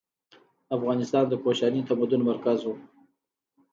افغانستان د کوشاني تمدن مرکز و.